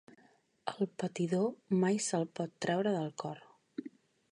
El patidor mai no se'l pot treure del cor.